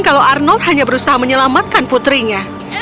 kalau arnold hanya berusaha menyelamatkan putrinya